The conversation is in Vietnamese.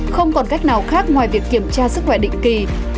không còn cách nào khác ngoài việc kiểm tra sức khỏe định kỳ